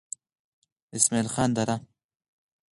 اسمعيل خان ديره